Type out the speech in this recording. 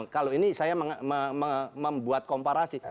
kalau ini saya membuat komparasi